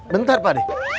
bentar pak d